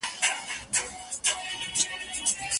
چي ملا د خپل قسمت په تماشا سو